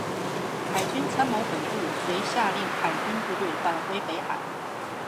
海军参谋本部遂下令海军部队返回北海。